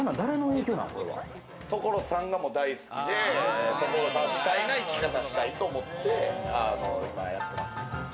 所さんが大好きで、所さんみたいな生き方をしたいと思ってやってます。